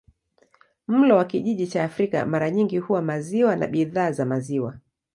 Mlo wa kijiji cha Afrika mara nyingi huwa maziwa na bidhaa za maziwa.